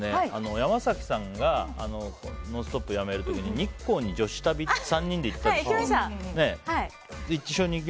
山崎さんが「ノンストップ！」を辞める時に日光に女子旅３人で行ったでしょ。